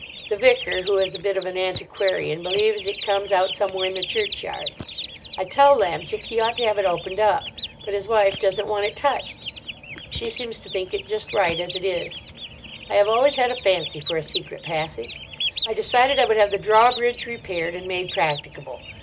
The vicar, who is a bit of an antiquarian, believes it comes out somewhere in the churchyard. I tell Lamchick he ought to have it opened up, but his wife doesn't want it touched. She seems to think it just right as it is. I have always had a fancy for a secret passage. I decided I would have the drawbridge repaired and made practicable.